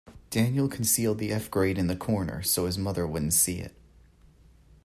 Daniel concealed the F grade in the corner so his mother wouldn't see it.